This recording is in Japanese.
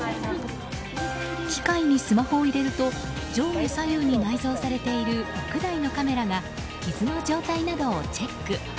機械にスマホを入れると上下左右に内蔵されている６台のカメラが傷の状態などをチェック。